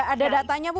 ada datanya bu